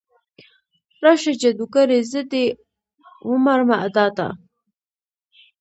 راشه جادوګرې، زه دې ومرمه ادا ته